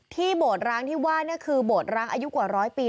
โดดร้างที่ว่านี่คือโบสถร้างอายุกว่าร้อยปี